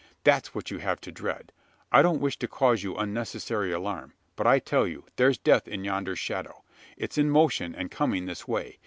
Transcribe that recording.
That's what you have to dread. I don't wish to cause you unnecessary alarm: but I tell you, there's death in yonder shadow! It's in motion, and coming this way.